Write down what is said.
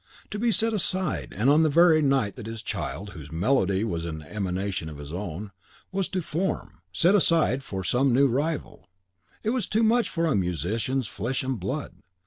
To be set aside, and on the very night that his child, whose melody was but an emanation of his own, was to perform, set aside for some new rival: it was too much for a musician's flesh and blood.